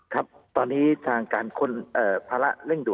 ครับตอนนี้ทางการค้นภาระเร่งด่ว